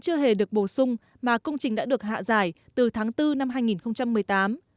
chưa hề được bổ sung mà công trình đã được hạ giải từ tháng bốn năm hai nghìn một mươi tám